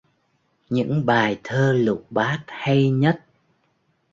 Những bài thơ lục bát hay nhất